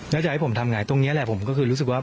แล้วจะให้ผมทำไงตรงนี้แหละผมก็คือรู้สึกว่า